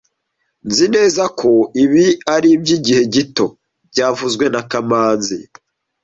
Nzi neza ko ibi ari iby'igihe gito byavuzwe na kamanzi